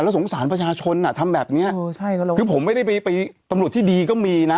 แล้วสงสารประชาชนอ่ะทำแบบเนี้ยเออใช่ก็คือผมไม่ได้ไปไปตำรวจที่ดีก็มีนะ